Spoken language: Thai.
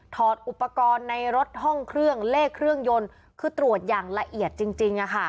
อดอุปกรณ์ในรถห้องเครื่องเลขเครื่องยนต์คือตรวจอย่างละเอียดจริง